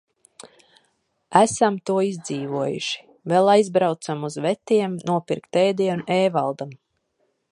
Esam to izdzīvojuši. Vēl aizbraucam uz vetiem nopirkt ēdienu Ēvaldam.